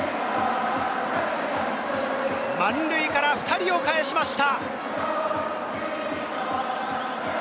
満塁から２人をかえしました。